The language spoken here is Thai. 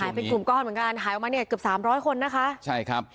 หายเป็นกลุ่มก้อนเหมือนกันหายออกมาเนี่ยเกือบ๓๐๐คนนะคะ